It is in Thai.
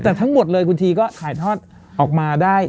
แต่ทั้งหมดเลยคุณทีก็ถ่ายทอดออกมาได้